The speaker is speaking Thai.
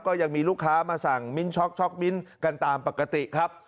ก็ยังมีลูกค้ามาสั่งมิ้นช็อกช็อกมิ้นกันตามปกติครับ